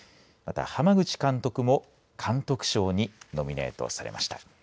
また濱口監督も監督賞にノミネートされました。